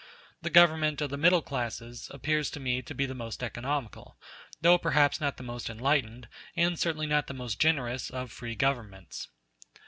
The government of the middle classes appears to me to be the most economical, though perhaps not the most enlightened, and certainly not the most generous, of free governments.